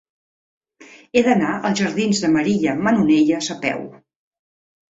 He d'anar als jardins de Maria Manonelles a peu.